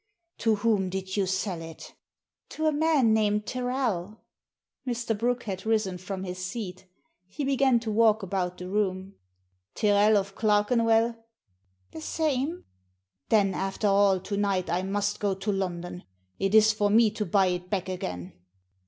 To whom did you sell it ?"" To a man named Tyrrel." Mr. Brooke had risen from his seat He began to walk about the room. " Tyrrel of Clerkenwell ?"" The same." "Then, after all, to night I must go to London. It is for me to buy it back again."